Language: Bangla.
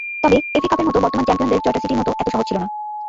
তবে এফএ কাপের বর্তমান চ্যাম্পিয়নদের জয়টা সিটির মতো এতটা সহজ ছিল না।